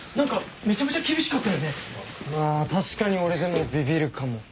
まあ確かに俺でもビビるかも。